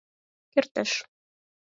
Кертеш.